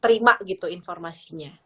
terima gitu informasinya